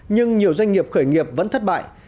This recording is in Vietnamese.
nhưng nhiều doanh nghiệp khởi nghiệp vẫn thất bại